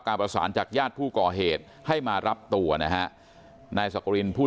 ประสานจากญาติผู้ก่อเหตุให้มารับตัวนะฮะนายสักกรินผู้